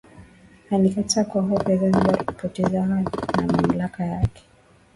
Alikataa kwa hofu ya Zanzibar kupoteza hadhi na mamlaka yake